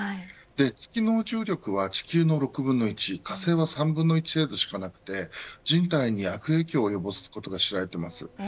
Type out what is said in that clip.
月の重力は地球の６分の１火星は３分の１程度しかなくて人体に悪影響を及ぼすことが知られています。